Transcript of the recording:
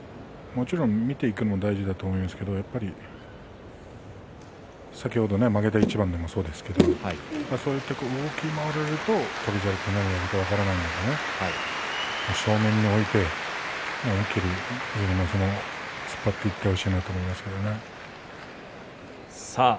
もちろん見ていくのは大事だと思うんですけどやっぱり先ほど負けた一番でもそうですけど動き回られると翔猿は何をやるのか分からないので正面に置いて思い切り自分の相撲を突っ張っていってほしいなと思いますけどね。